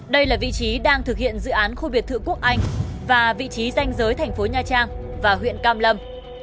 đây là vị trí đang thực hiện dự án khu biệt thự quốc anh và vị trí danh giới thành phố nha trang và huyện cam lâm